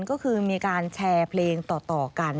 ก็คือมีการแชร์เพลงต่อกัน